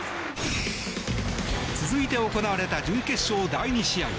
続いて行われた準決勝第２試合。